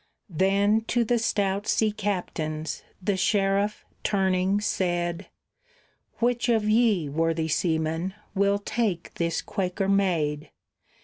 Then to the stout sea captains the sheriff, turning, said, "Which of ye, worthy seamen, will take this Quaker maid?